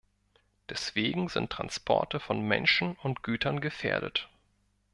Deswegen sind Transporte von Menschen und Gütern gefährdet.